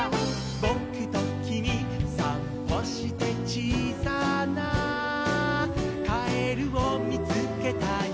「ぼくときみさんぽして」「ちいさなカエルをみつけたよ」